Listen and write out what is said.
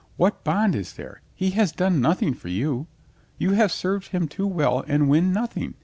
What bond is there? He has done nothing for you. You have served him too well and won nothing.